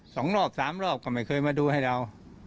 สองรอบสามรอบก็ไม่เคยมาดูให้เรา